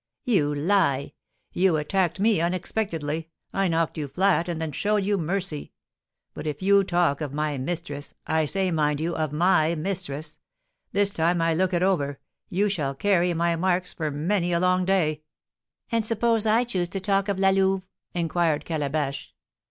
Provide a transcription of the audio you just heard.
"You lie! You attacked me unexpectedly; I knocked you flat, and then showed you mercy. But if you talk of my mistress, I say, mind you, of my mistress, this time I look it over, you shall carry my marks for many a long day." "And suppose I choose to talk of La Louve?" inquired Calabash.